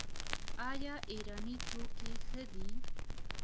آیا ایراني توکي ښه دي؟